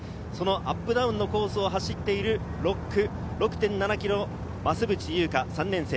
アップダウンのコースを走っている６区・６．７ｋｍ。